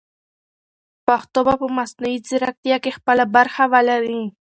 پښتو به په مصنوعي ځیرکتیا کې خپله برخه ولري.